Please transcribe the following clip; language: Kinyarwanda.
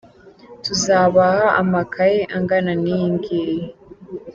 Tuzabaha amakaye angana niyingiyi.